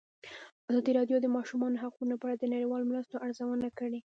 ازادي راډیو د د ماشومانو حقونه په اړه د نړیوالو مرستو ارزونه کړې.